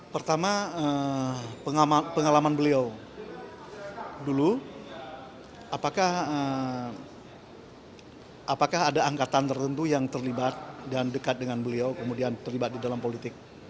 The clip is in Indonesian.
pertama pengalaman beliau dulu apakah ada angkatan tertentu yang terlibat dan dekat dengan beliau kemudian terlibat di dalam politik